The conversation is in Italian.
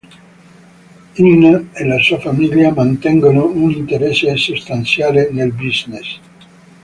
Inna e la sua famiglia mantengono un interesse sostanziale nel business.